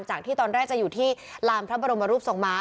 ที่ตอนแรกจะอยู่ที่ลานพระบรมรูปทรงม้า